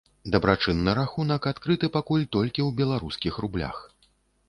Дабрачынны рахунак адкрыты пакуль толькі ў беларускіх рублях.